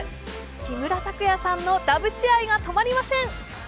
木村拓哉さんのダブチ愛が止まりません。